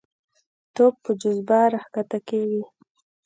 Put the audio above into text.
توپ په جاذبه راښکته کېږي.